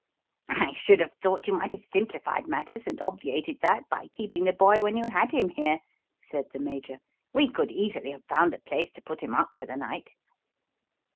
"I should have thought you might have simplified matters and obviated that by keeping the boy when you had him here," said the Major. "We could easily have found a place to put him up for the night."